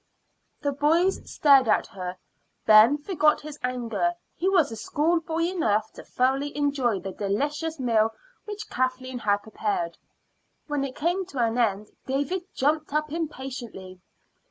The boys stared at her. Ben forgot his anger; he was schoolboy enough to thoroughly enjoy the delicious meal which Kathleen had prepared. When it came to an end David jumped up impatiently.